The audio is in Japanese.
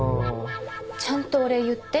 ちゃんとお礼言って。